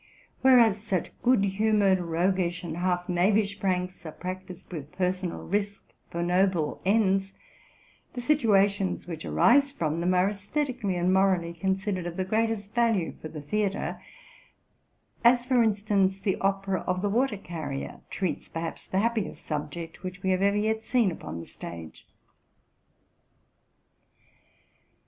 Whereas such good humored roguish and half knavish pranks are practised with personal risk for noble ends, the situations which arise from them are esthetically and morally con sidered of the greatest value for the theatre ; as, for instance, the opera of '' The Water Carrier'' treats perhaps the hap piest subject which we have ever yet seen upon the stage.